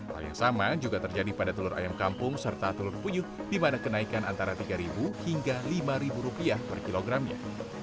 hal yang sama juga terjadi pada telur ayam kampung serta telur puyuh di mana kenaikan antara rp tiga hingga rp lima per kilogramnya